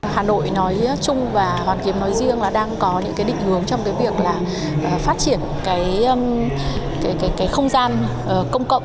hà nội nói chung và hoàn kiếp nói riêng là đang có những định hướng trong việc phát triển không gian công cộng